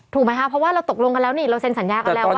ถูกไหมคะเพราะว่าเราตกลงกันแล้วนี่เราเซ็นสัญญากันแล้วว่า